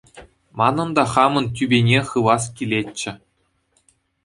Манӑн та хамӑн тӳпене хывас килетчӗ.